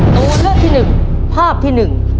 ตัวเลือกที่หนึ่งภาพที่หนึ่ง